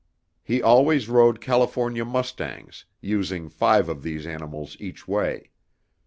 He always rode California mustangs, using five of these animals each way.